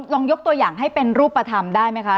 ลองยกตัวอย่างให้เป็นรูปธรรมได้ไหมคะ